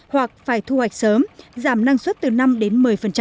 hoặc phải thu hoạch sớm giảm năng suất từ năm đến một mươi